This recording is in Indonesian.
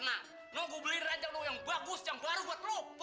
nah ini gue tahu pasti gue ditimpa